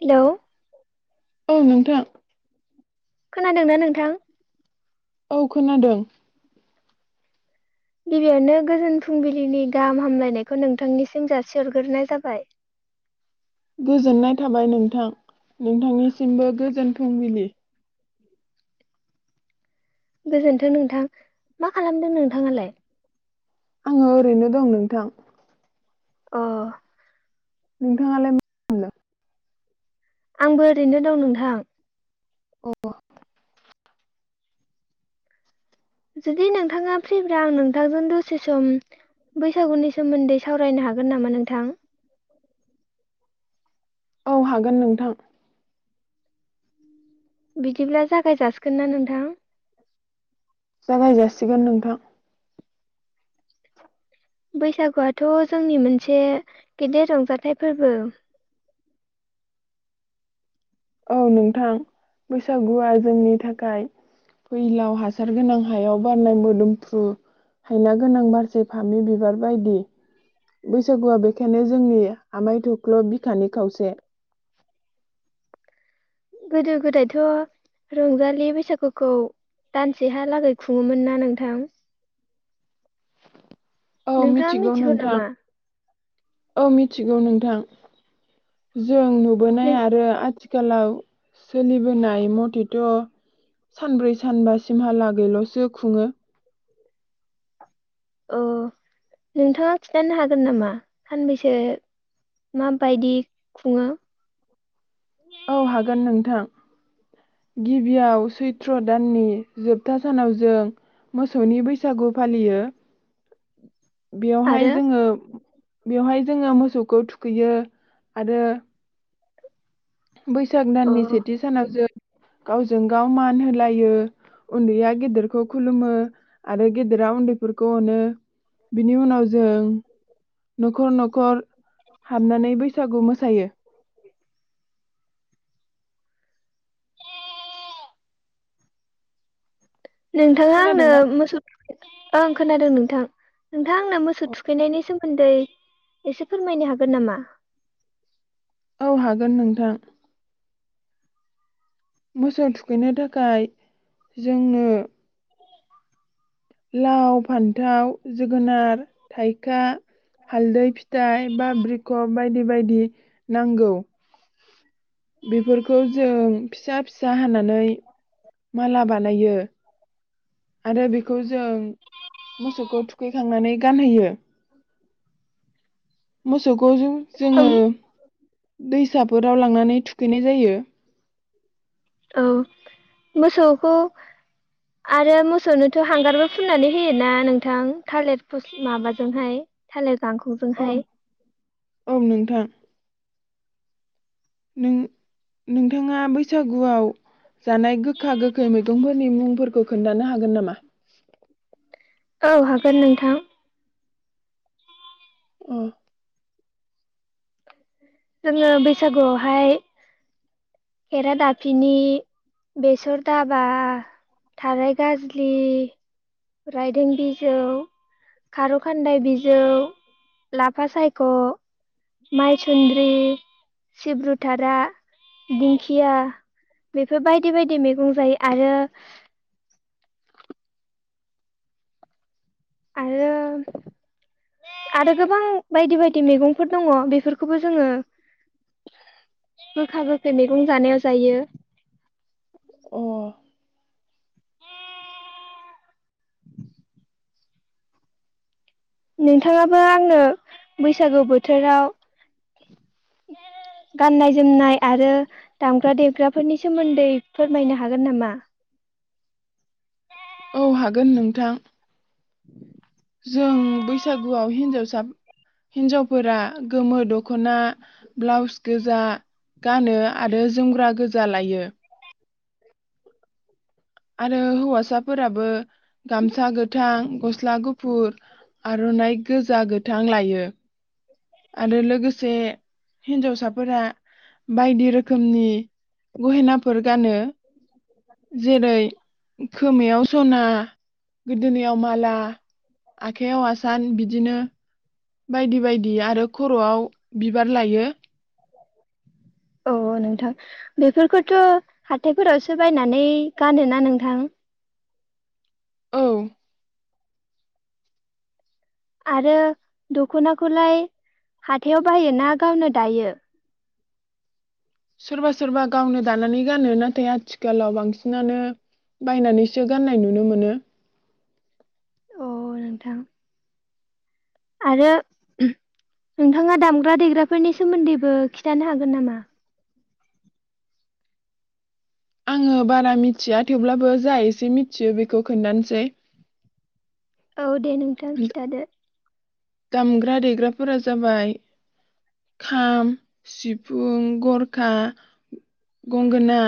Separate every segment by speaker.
Speaker 1: Hello
Speaker 2: औ नोंथां।
Speaker 1: खोनादोंना नोंथां?
Speaker 2: औ खोनादों।
Speaker 1: गिबियावनो गोजोन फुंबिलिनि गाहाम हामलायनायखौ नोंथांनिसिम जासिहरग्रोनाय जाबाय।
Speaker 2: गोजोननाय थाबाय नोंथां नोंथांनिसिमबो गोजोन फुंबिलि।
Speaker 1: गोजोन्थों नोंथां मा खालामदों नोंथाङालाय?
Speaker 2: आङो ओरैनो दं नोंथां।
Speaker 1: अ
Speaker 2: नोंथाङालाय मा [unintelligible] दो?
Speaker 1: आंबो ओरैनो दं नोंथां।
Speaker 2: अ
Speaker 1: जुदि नोंथाङा फ्रिब्रा आं नोंथांजों दसे सम बैसागुनि सोमोन्दै सावरायनो हागोन नामा नोंथां?
Speaker 2: [inaudible] औ हागोन नोंथां।
Speaker 1: बिदिब्ला जागाय जाासिगोन ना नोंथां?
Speaker 2: जागाय जासिगोन नोंथां।
Speaker 1: बैसागुआथ' जोंनि मोनसे गेदेर रंजाथाइ फोरबो।
Speaker 2: औ नोंथां बैसागुआ जोंनि थाखाय फैलाव हासार गोनां हायाव बारनाय मोदोमफ्रु हायना गोनां बारसे फामि बिबार बायदि। बैसागुआ बेखायनो जोंनि आमाय थख्ल' बिखानि खावसे।
Speaker 1: गोदो गोदायथ' रंजालि बैसागुखौ दानसेहालागै खुङोमोन ना नोंथां?
Speaker 2: औ
Speaker 1: नोंथाङा
Speaker 2: मिथिगौ नोंथां।
Speaker 1: नामा?
Speaker 2: औ मिथिगौ नोंथां उम। जों
Speaker 1: नों
Speaker 2: नुबोनाय आरो आथिख कालाव सोलिबोनाय मथेथ' सानब्रै सानबा सिमहालागैल'सो खुङो।
Speaker 1: अ नोंथाङा खिथानो हागोन नामा सानबैसे माबायदि खुङो?
Speaker 2: औ हागोन नोंथां गिबियाव सैथ्र' दाननि जोबथा सानाव जों मोसौनि बैसागु फालियो‌। बेवहाय
Speaker 1: आरो
Speaker 2: जोङो बेवहाय जोङो मोसौखौ थुखैयो आरो बैसाग
Speaker 1: अ
Speaker 2: दाननि सेथि सानाव जों गावजों गाव मान होलायो उन्दैया गेदेरखौ खुलुमो आरो गेदेरा उन्दैफोरखौ अनो बिनि उनाव जों न'खर न'ख खर हाबनानै बैसागु मोसायो।
Speaker 1: नोंथाङा आंनो
Speaker 2: खोनादोंना
Speaker 1: मोसौ ओं खोनादों नोंथां नोंथां आंना मोसौ थुखैनायनि सोमोन्दै एसे फोरमायनो हागोन नामा
Speaker 2: औ हागोन नोंथां मोसौ थुखैनो थाखाय जोंनो लाव फान्थाव जोगोनार थाइखा हालदै फिथाइ बाब्रिख' बायदि बायदि नांगौ बेफोरखौ जों फिसा फिसा हानानै माला बानायो आरो बेखौ जों मोसौखौ थुखैखांनानै गानहोयो। मोसौ खौ जों जोङो
Speaker 1: ओम
Speaker 2: दै साफोराव लांनानै थुखैनाय जायो।
Speaker 1: औ मोसौखौ आरो मोसौनोथ' हांगारबो फुननानै होयोना नोंथां थालिर फस माबाजोंहाय थालिर
Speaker 2: औ
Speaker 1: जांखौजोंहाय
Speaker 2: औ नोंथां नों नोंथाङा बैसागुआव जानाय गोखा गोखै मैगंफोरनि मुंफोरखौ खोन्थानो हागोन नामा
Speaker 1: औ हागोन नोंथां
Speaker 2: औ
Speaker 1: जोङो बैसागुआवहाय खेरा दाफिनि बेसर दाबा थाराय गाजलि राइदों बिजौ खारौ खान्दाय बिजौ लाफा सायख' माइसुन्द्रि सिब्रुथारा दिंखिया बेफोर बायदि बायदि मैगं जायो आरो आरो आरो गोबां बायदि बायदि मैगंफोर दङ बेफोरखौबो जोङो गोखा गोखै मैगं जानायाव जायो।
Speaker 2: अ
Speaker 1: नोंथाङाबो आंनो बैसागु बोथोराव गाननाय जोमनाय आरो दामग्रा देग्राफोरनि सोमोन्दै फोरमायनो हागोन नामा?
Speaker 2: औ हागोन नोंथां।
Speaker 1: उम
Speaker 2: जों बैसागुआव हिन्जावसा हिन्जावफोरा गोमो दख'ना ब्लाउस गोजा गानो आरो जोमग्रा गोजा लायो। आरो हौवासाफोराबो गामसा गोथां गस्ला गुफुर आर'नाइ गोज गोजा गोथां लायो। आरो लोगोसे हिन्जावसाफोरा बायदि रोखोमनि गहेनाफोर गानो जेरै खोमायाव स'ना गोदोनायाव माला आखाइयाव आसान बिदिनो बायदि बायदि आरो खर'आव बिबार लायो।
Speaker 1: औ नोंथां बेफोरखौथ' हाथायफोरावसो बायनानै गानोना नोंथां?
Speaker 2: औ
Speaker 1: आरो दख'नाखौलाय हाथायाव बाहायो ना गावनो दायो?
Speaker 2: सोरबा सोरबा गावनो दानानै गानो नाथाय आथिखालाव बांसिनानो बायनानैसो गाननाय नुनो मोनो‌।
Speaker 1: अ नोंथां आरो नोंथाङा दामग्रा देग्राफोरनि सोमोन्दैबो खिन्थानो हागोन नामा?
Speaker 2: आङो बारा मिथिया थेवब्लाबो जा एसे मिथियो बेखौ खोन्थानोसै।
Speaker 1: औ दे नोंथां खिन्थादो।
Speaker 2: दामग्रा देग्राफोरा जाबाय खाम सिफुं गरखा गंगोना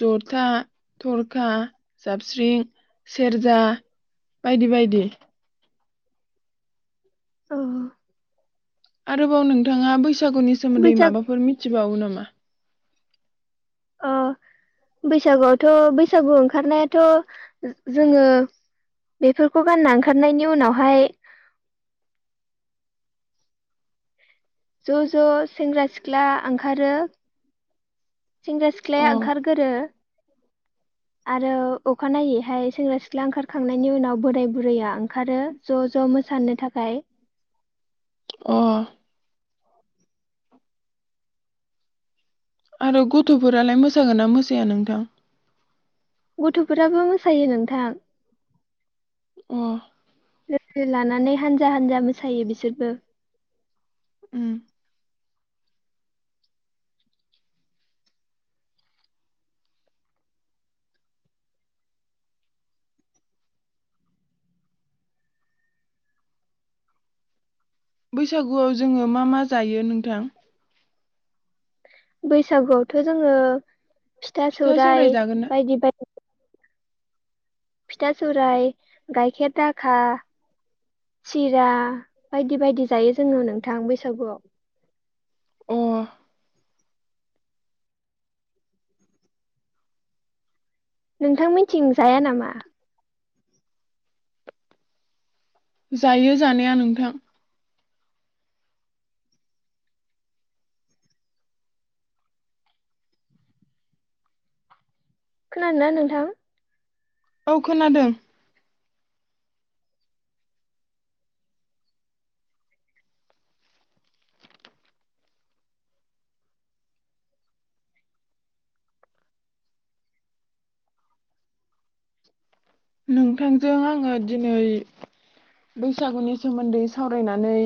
Speaker 2: ज'था थरखा जाबस्रिं सेरजा बायदि बायदि।
Speaker 1: औ
Speaker 2: आरोबाव नोंथाङा बै बैसागुनि सोमोन्दै
Speaker 1: बैसाग
Speaker 2: माबाफोर मिथिबावो नामा?
Speaker 1: अ बैसागुआवथ' बैसागु ओंखारनायाथ' जोङो बेफोरखौ गानना ओंखारनायनि उनावहाय ज' ज' सेंग्रा सिख्ला ओंखारो सेंग्रा
Speaker 2: अ
Speaker 1: सिख्लाया ओंखारगोरो आरो अखानायनायैहाय सेंग्रा सिख्ला ओंखारखांनायनि उनाव बोराय बुरैया ओंखारो ज' ज' मोसानो थाखाय
Speaker 2: अ आरो गथ'फोरालाय मोसागोना मोसाया नोंथां
Speaker 1: गथ'फोराबो मोसायो नोंथां
Speaker 2: अ
Speaker 1: लानानै हानजा हानजा मोसायो बिसोरबो
Speaker 2: उम बैसागुआव जोङो मा मा जायो नोंथां?
Speaker 1: बैसागुआवथ' जोङो फिथा
Speaker 2: सौराय
Speaker 1: सौराइ
Speaker 2: जागोन ना?
Speaker 1: बायदि बायदि फिथा सौराइ गाइखेर दाखा सिरा बायदि बायदि जायो जोङो नोंथां बैसागुआव
Speaker 2: अ
Speaker 1: नोंथां मिनथिं जाया नामा?
Speaker 2: जायो जानाया नोंथां
Speaker 1: खोनादोंना नोंथां
Speaker 2: औ खोनादों नोंथांजों आङो दिनै बैसागुनि सोमोन्दै सावरायनानै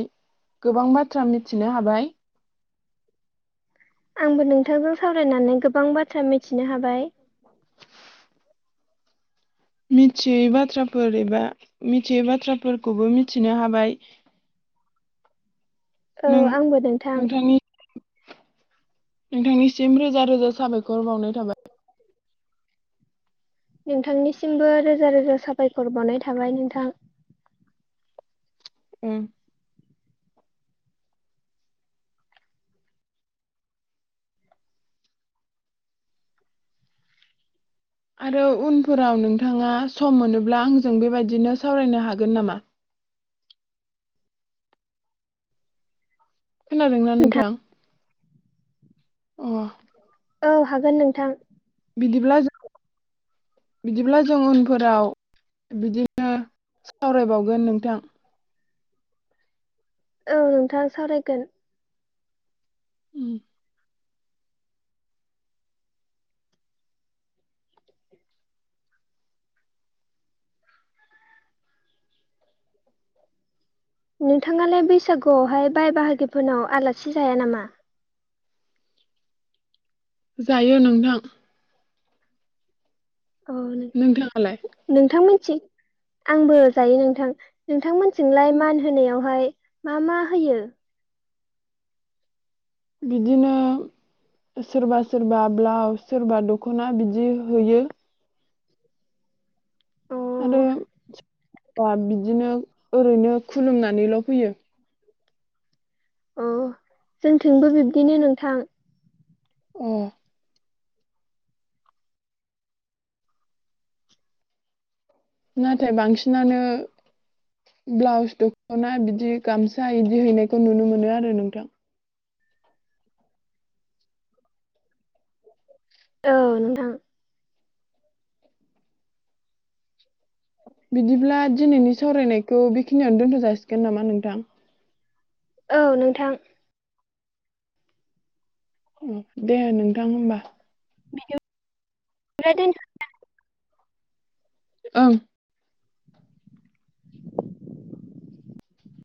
Speaker 2: गोबां बाथ्रा मिथिनो हाबाय
Speaker 1: आंबो नोंथांजों सावरायनानै गोबां बाथ्रा मिथिनो हाबाय
Speaker 2: मिथियै बाथ्राफोर एबा मिथियै बाथ्राफोरखौबो मिथिनो हाबाय नों
Speaker 1: औ आंबो नोंथां
Speaker 2: नोंथांनि नोंथांनिसिम रोजा रोजा साबायखर बावनाय थाबाय
Speaker 1: नोंथांनिसिमबो रोजा रोजा साबायखर बावनाय थाबाय नोंथां
Speaker 2: ओम आरो उनफोराव नोंथाङा सम मोनोब्ला आंजों बेबायदिनो सावरायनो हागोन नामा? खोनादोंना नोंथां अ
Speaker 1: [inaudible] औ हागोन नोंथां
Speaker 2: बिदिब्ला जों बिदिब्ला जों उनफोराव बिदिनो सावरायबावगोन नोंथां
Speaker 1: औ नोंथां सावरायगोन
Speaker 2: ओम
Speaker 1: नोंथाङालाय बैसागुयावहाय बाय बाहागिफोरनाव आलासि जाया नामा?
Speaker 2: जायो नोंथां
Speaker 1: औ नों
Speaker 2: नोंथाङालाय?
Speaker 1: नोंथां मोनथि आंबो जायो नोंथां नोंथांमोन थिंलाय मान होनायावहाय मा मा होयो
Speaker 2: बिदिनो सोरबा-सोरबा ब्लाउस सोरबा दखना बिदि होयो।
Speaker 1: अ
Speaker 2: आरो सोरबा बिदिनो ओरैनो खुलुमनानैल फैयो।
Speaker 1: अ जोंथिंबो बिब्दिनो नोंथां
Speaker 2: ए नाथाय बांसिनानो ब्लाउस दखना बिदि गामसा बिदि हैनायखौ नुनो मोनो आरो नोंथां।
Speaker 1: औ नोंथां
Speaker 2: बिदिब्ला दिनैनि सावरायनायखौ बेखिनियावनो दोनथ जाासिगोन नामा नोंथां।
Speaker 1: औ नोंथां
Speaker 2: दे नोंथां होमबा
Speaker 1: [unintelligible]
Speaker 2: ओं